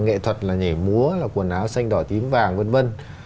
nghệ thuật là nhảy múa là quần áo xanh đỏ tím vàng vân vân